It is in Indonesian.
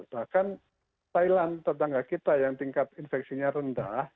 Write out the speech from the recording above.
bahkan thailand tetangga kita yang tingkat infeksinya rendah